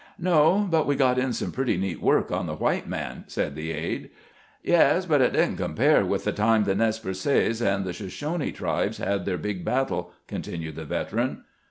" No ; but we got in some pretty neat work on the white man," said the aide. " Yes ; but it did n't compare with the time the Nez Perces and the Shoshonee tribes had their big bat tle," continued the veteran.